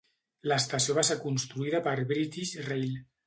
L'estació va ser construïda per British Rail.